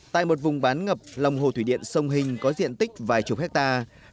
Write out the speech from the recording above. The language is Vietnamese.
tại một vùng bán ngập lòng hồ thủy điện sông hình có diện tích vài chục hectare